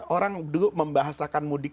orang dulu membahasakan mudik